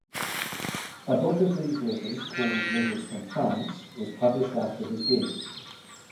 A book of these letters, called "Letters from France", was published after his death.